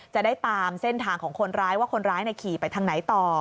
จะได้ตามเส้นทางของคนร้ายว่าคนร้ายขี่ไปทางไหนต่อ